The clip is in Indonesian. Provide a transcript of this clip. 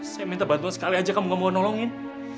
saya minta bantuan sekali aja kamu gak mau nolongin